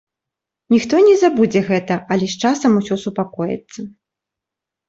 Ніхто не забудзе гэта, але з часам усё супакоіцца.